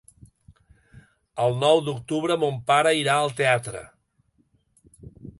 El nou d'octubre mon pare irà al teatre.